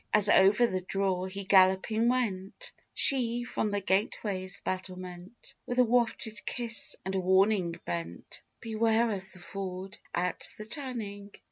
As over the draw he galloping went, She, from the gateway's battlement, With a wafted kiss and a warning bent "Beware of the ford at the turning!"